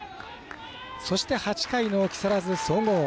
そして８回の木更津総合。